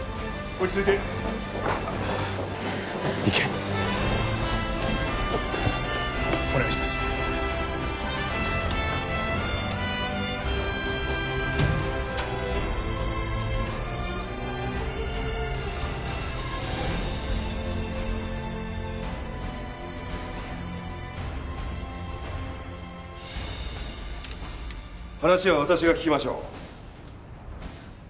話は私が聞きましょう。